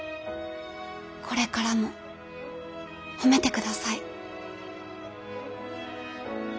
これからも褒めて下さい。